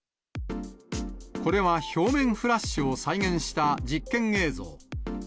これは表面フラッシュを再現した実験映像。